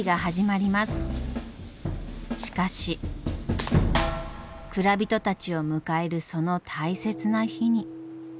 しかし蔵人たちを迎えるその大切な日に。